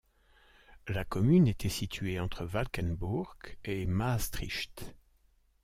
La commune était située entre Valkenburg et Maastricht.